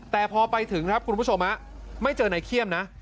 แต่พอไปถึงครับคุณผู้ชมไม่เจอนายเขี้ยมนะ